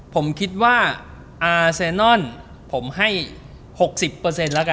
ผมคิดว่าอาเซนอนผมให้๖๐เปอร์เซ็นต์แล้วกันค่ะ